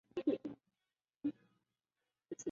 动画公司所属动画师兼董事。